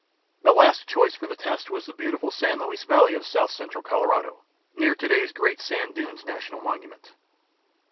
The last choice for the test was in the beautiful San Luis Valley of south central Colorado, near today's Great Sand Dunes National Monument.